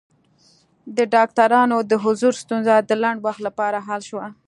د ډاکټرانو د حضور ستونزه د لنډ وخت لپاره حل شوه.